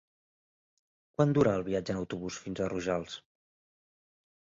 Quant dura el viatge en autobús fins a Rojals?